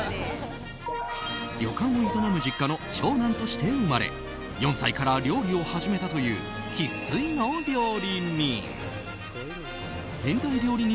旅館を営む実家の長男として生まれ４歳から料理を始めたという生粋の料理人。